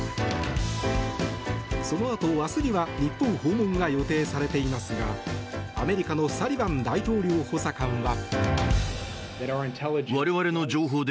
そのあと明日には日本訪問が予定されていますがアメリカのサリバン大統領補佐官は。